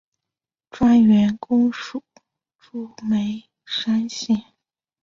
专员公署驻眉山县。